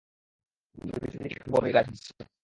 বাড়ির পিছনের দিকে একটা বড়ই গাছ আছে।